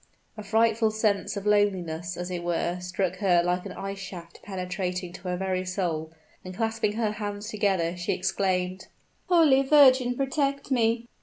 A frightful sense of loneliness, as it were, struck her like an ice shaft penetrating to her very soul; and clasping her hands together, she exclaimed: "Holy Virgin! protect me!"